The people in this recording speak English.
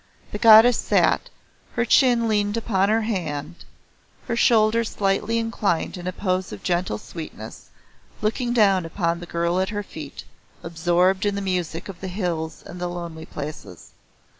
The goddess sat, her chin leaned upon her hand, her shoulders slightly inclined in a pose of gentle sweetness, looking down upon the girl at her feet, absorbed in the music of the hills and lonely places.